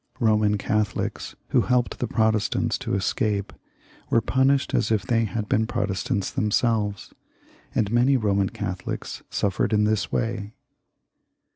Eoman Catholics who helped the Protestants to escape were punished as if they had been Protestants themselves, and many Soman Catholics suffered in this way.